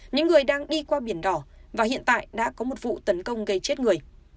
những người đang đi qua biển đỏ và hiện tại đã có một vụ tấn công gây chết người